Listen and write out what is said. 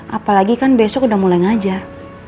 apalagi kan besok udah mulai ngajar